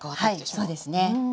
はいそうですね。